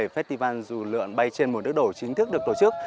festival dù lượn bay trên mùa nước đổ chính thức được tổ chức